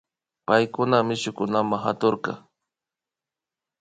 Paykuna mishukunama katushka